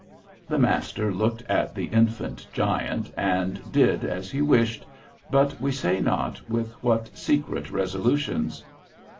The master looked at the infant giant, and did as he wished, but we say not with what secret resolutions.